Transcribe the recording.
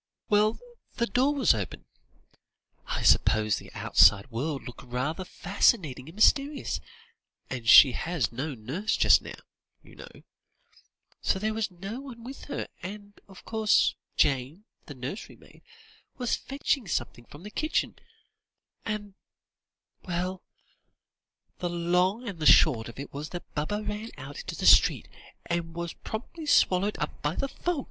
_" "Well, the door was open; I suppose the outside world looked rather fascinating and mysterious, and she has no nurse just now, you know; so there was no one with her; and, of course, Jane, the nursery maid, was fetching something from the kitchen and well, the long and the short of it was that Baba ran out into the street, and was promptly swallowed up by the fog."